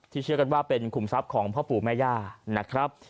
เชื่อกันว่าเป็นขุมทรัพย์ของพ่อปู่แม่ย่านะครับ